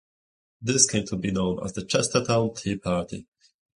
This came to be known as the Chestertown Tea Party.